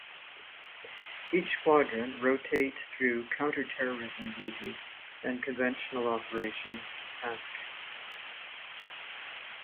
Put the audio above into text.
Each Squadron rotates through counter terrorism duties and conventional operations and tasking.